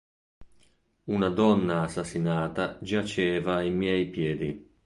Una donna assassinata giaceva ai miei piedi.